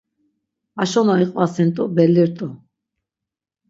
Aşo na iqvasint̆u belli rt̆u.